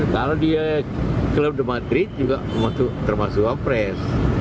kalau dia klub di madrid juga termasuk wapres